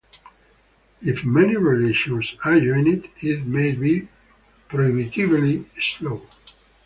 If many relations are joined, it may be prohibitively slow.